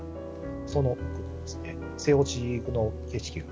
その奥に背落ちの景色。